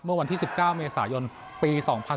เมื่อวันที่๑๙เมษายนปี๒๐๑๙